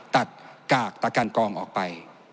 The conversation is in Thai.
ตัดกากตะกันกรองออกไป